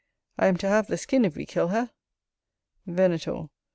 I am to have the skin if we kill her. Venator.